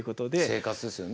生活ですよね。